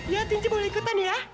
ya cinci boleh ikutan ya